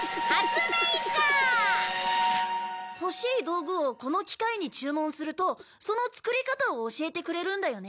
欲しい道具をこの機械に注文するとその作り方を教えてくれるんだよね？